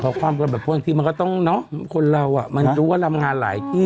ความกันแบบบางทีมันก็ต้องเนอะคนเราอ่ะมันรู้ว่ารำงานหลายที่